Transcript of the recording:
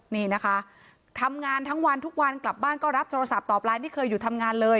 นี่นะคะทำงานทั้งวันทุกวันกลับบ้านก็รับโทรศัพท์ต่อไปไม่เคยหยุดทำงานเลย